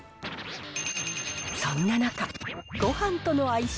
そんな中、ごはんとの相性